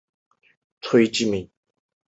觉得没有赚到很多钱